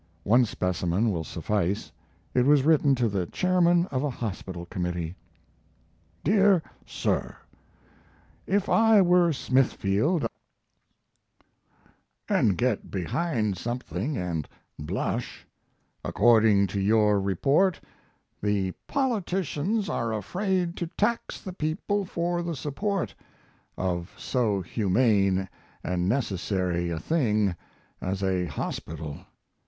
One specimen will suffice. It was written to the chairman of a hospital committee. DEAR SIR, If I were Smithfield I would certainly go out and get behind something and blush. According to your report, "the politicians are afraid to tax the people for the support" of so humane and necessary a thing as a hospital.